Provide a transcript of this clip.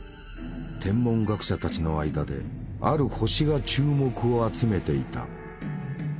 天文学者たちの間である星が注目を集めていた。